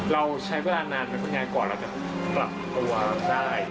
เราใช้เวลานานแล้วก็ง่ายก่อนเราจะกลับตัวได้